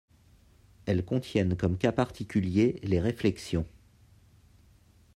Elles contiennent comme cas particulier les réflexions.